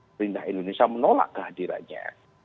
pemerintah indonesia menolak kehadirannya